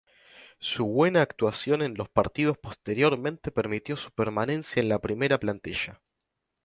Su buena actuación en los partidos posteriores permitió su permanencia en la primera plantilla.